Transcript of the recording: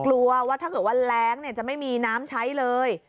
กลัวว่าถ้าเกิดว่าแรงจะไม่มีน้ำใช้เลย